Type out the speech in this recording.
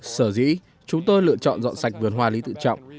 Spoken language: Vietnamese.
sở dĩ chúng tôi lựa chọn dọn sạch vườn hoa lý tự trọng